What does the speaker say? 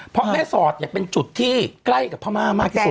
เพราะแม่สอดเนี่ยเป็นจุดที่ใกล้กับพม่ามากที่สุด